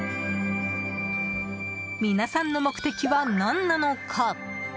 皆さんの目的は何なのか？